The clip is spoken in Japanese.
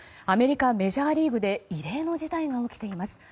アメリカ・メジャーリーグで異例の事態が起きています。